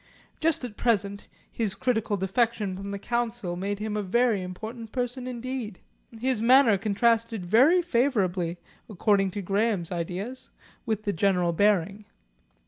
Just at present his critical defection from the Council made him a very important person indeed. His manner contrasted very favourably, according to Graham's ideas, with the general bearing.